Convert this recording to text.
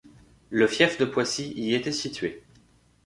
Le fief de Poissy y était situé.